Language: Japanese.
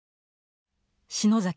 篠崎